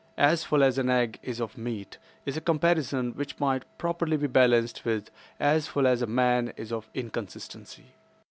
'As full as an egg is of meat,' is a comparison which might properly be balanced with 'As full as a man is of inconsistency.